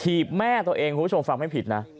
แม่ตัวเองคุณผู้ชมฟังไม่ผิดนะ